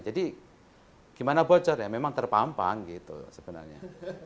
jadi gimana bocor ya memang terpampang gitu sebenarnya